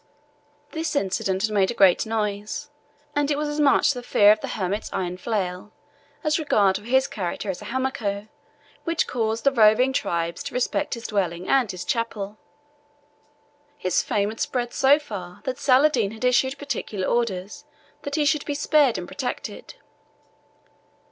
This incident had made a great noise, and it was as much the fear of the hermit's iron flail as regard for his character as a Hamako which caused the roving tribes to respect his dwelling and his chapel. His fame had spread so far that Saladin had issued particular orders that he should be spared and protected.